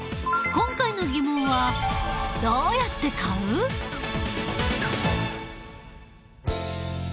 今回のテーマは「どうやって買うか」。